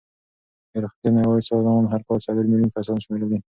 د روغتیا نړیوال سازمان هر کال څلور میلیون کسان شمېرلې.